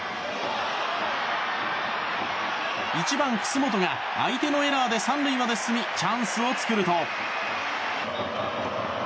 １番、楠本が相手のエラーで３塁まで進みチャンスを作ると。